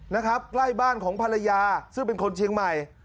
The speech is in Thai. นะครับใกล้บ้านของภรรยาซึ่งเป็นคนเชียงใหม่